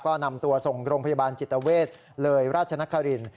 ก็นำตัวส่งโรงพยาบาลจิตเวทเลยราชนคริน